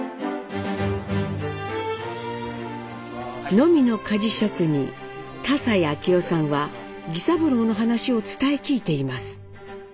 ノミの鍛冶職人田齋明夫さんは儀三郎の話を伝え聞いています。